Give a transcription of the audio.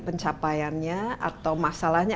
pencapaiannya atau masalahnya